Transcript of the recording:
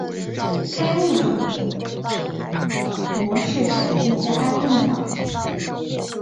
该物种的模式产地在安汶岛。